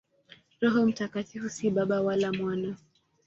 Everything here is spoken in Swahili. Roho Mtakatifu si Baba wala Mwana.